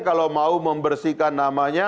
kalau mau membersihkan namanya